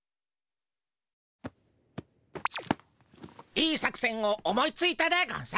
いい作戦を思いついたでゴンス。